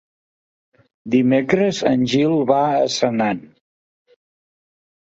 Dimecres en Gil va a Senan.